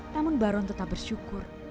namun baron tetap bersyukur